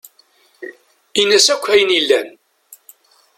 Ini-as akk ayen yellan.